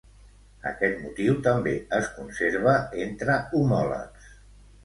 Aquest motiu també es conserva entre homòlegs.